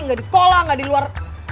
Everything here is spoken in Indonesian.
gak di sekolah gak di luar